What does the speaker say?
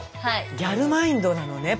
ギャルマインドなのね